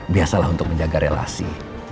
biasalah untuk menjaga relasi